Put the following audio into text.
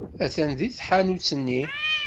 Attan deg tḥanut-nni.